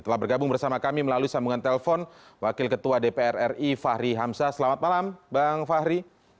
telah bergabung bersama kami melalui sambungan telpon wakil ketua dpr ri fahri hamzah selamat malam bang fahri